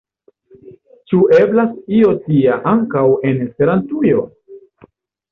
Ĉu eblas io tia ankaŭ en Esperantujo?